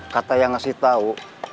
kata yang ngasih tau